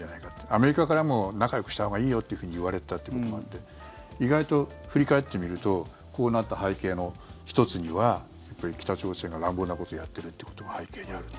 アメリカからも仲よくしたほうがいいよっていうふうに言われてたってこともあって意外と振り返ってみるとこうなった背景の１つには北朝鮮が乱暴なことやってるってことが背景にあると。